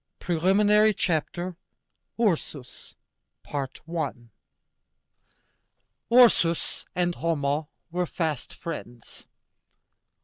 PRELIMINARY CHAPTER. URSUS. I. Ursus and Homo were fast friends.